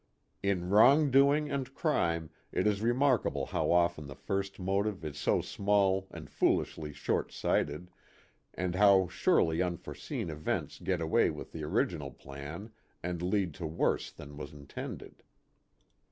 In wrong doing and crime it is remarkable how often the first motive is so small and fool ishly short sighted, and how surely unforeseen events get away with the original plan and lead to worse than was intended.